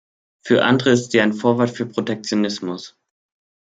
Für andere ist sie ein Vorwand für Protektionismus.